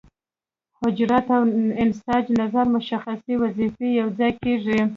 حجرات او انساج نظر مشخصې وظیفې یوځای کیږي.